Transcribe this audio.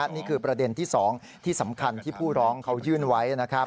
นี่คือประเด็นที่๒ที่สำคัญที่ผู้ร้องเขายื่นไว้นะครับ